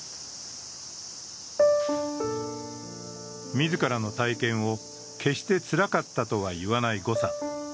自らの体験を決してつらかったとは言わない呉さん。